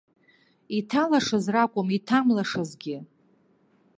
Иҭалашаз ракәым, иҭамлашазгьы.